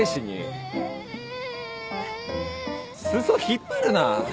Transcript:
裾引っ張るな！